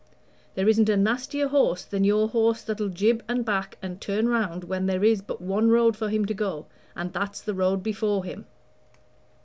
There isn't a nastier horse than your horse that'll jib and back and turn round when there is but one road for him to go, and that's the road before him.